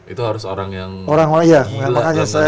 itu harus orang yang gila